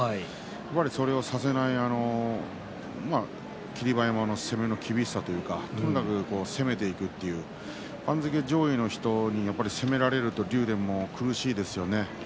それをさせない霧馬山の攻めの厳しさというかとにかく攻めていく番付上位の人に攻められると竜電も苦しいですよね。